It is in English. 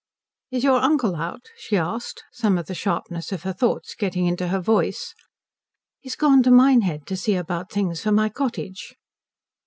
"Is your uncle out?" she asked, some of the sharpness of her thoughts getting into her voice. "He's gone to Minehead, to see about things for my cottage."